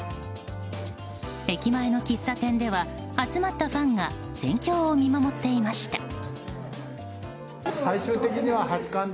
駅前の喫茶店では集まったファンが戦況を見守っていました。